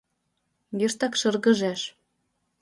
Йыштак шыргыжеш.